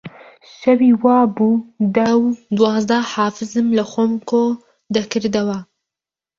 شەوی وا بوو دە و دوازدە حافزم لەخۆم کۆ دەکردەوە